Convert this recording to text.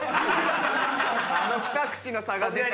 あの２口の差が出た。